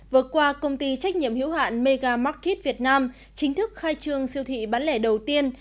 vừa qua công ty trách nhiệm hiếu hạn megamarket việt nam chính thức khai trương siêu thị bán lẻ đầu tiên